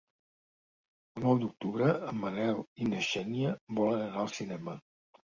El nou d'octubre en Manel i na Xènia volen anar al cinema.